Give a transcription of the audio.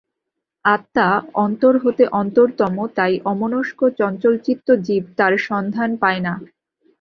আত্মা অন্তর হতে অন্তরতম, তাই অমনস্ক চঞ্চলচিত্ত জীব তাঁর সন্ধান পায় না।